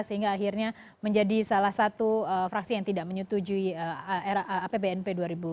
sehingga akhirnya menjadi salah satu fraksi yang tidak menyetujui rapbnp dua ribu tujuh belas